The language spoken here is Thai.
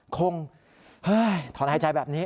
คงเฮ้ยถอนหายใจแบบนี้